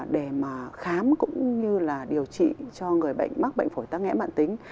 để mà khám cũng như là điều trị cho người bệnh mắc bệnh phổi tắc nghẽ mãn tính